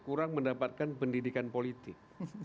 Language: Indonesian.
kurang mendapatkan pendidikan politik